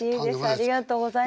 ありがとうございます。